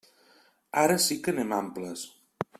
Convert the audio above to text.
Ara sí que anem amples.